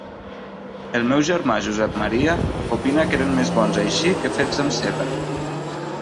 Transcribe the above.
El meu germà Josep Maria opina que eren més bons així que fets amb ceba.